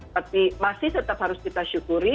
tapi masih tetap harus kita syukuri